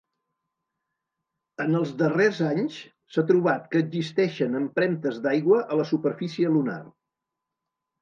En els darrers anys s'ha trobat que existeixen empremtes d'aigua a la superfície lunar.